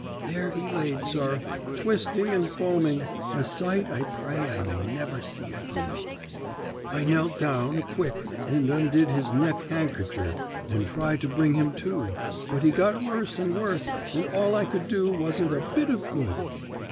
There he laid, sir, twisting and foaming, a sight I pray I may never see agin. "I knelt down quick and undid his neck handkercher, and tried to bring him to, but he got worse and worse, and all I could do wasn't a bit of good.